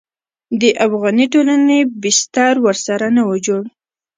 د افغاني ټولنې بستر ورسره نه و جوړ.